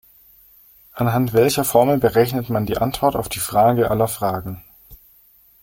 Anhand welcher Formel berechnet man die Antwort auf die Frage aller Fragen?